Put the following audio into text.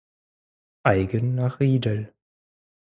Eigen nach Riedel.